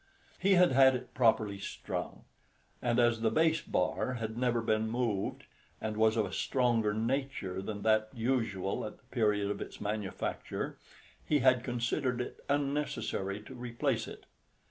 He had had it properly strung; and as the bass bar had never been moved, and was of a stronger nature than that usual at the period of its manufacture, he had considered it unnecessary to replace it.